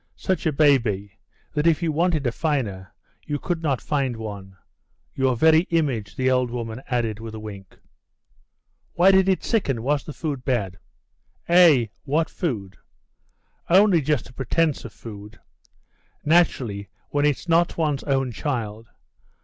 "Such a baby, that if you wanted a finer you could not find one. Your very image," the old woman added, with a wink. "Why did it sicken? Was the food bad?" "Eh, what food? Only just a pretence of food. Naturally, when it's not one's own child.